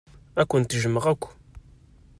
Ad kent-jjmeɣ akk.